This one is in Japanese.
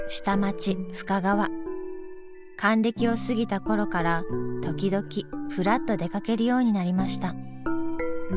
還暦を過ぎた頃から時々ふらっと出かけるようになりました。